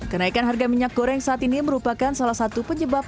kenaikan harga minyak goreng saat ini merupakan salah satu penyebab